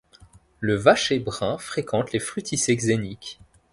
Le Vacher brun fréquente les fruticées xéniques.